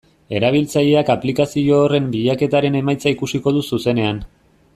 Erabiltzaileak aplikazio horren bilaketaren emaitza ikusiko du zuzenean.